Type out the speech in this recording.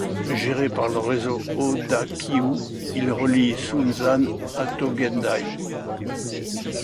Géré par le réseau Odakyū, il relie Sōunzan à Tōgendai.